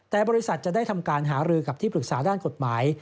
แต่บริษัทจะได้ทำการหารือกับที่ปรึกษาด้านกฎหมาย